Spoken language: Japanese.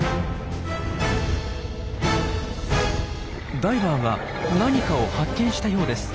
ダイバーが何かを発見したようです。